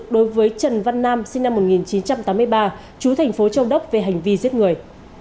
đối với trần văn nam sinh năm một nghìn chín trăm tám mươi ba chú thành phố châu đốc về hành vi giết người